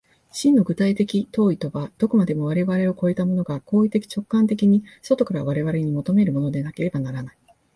真の具体的当為とは、どこまでも我々を越えたものが行為的直観的に外から我々に求めるものでなければならない。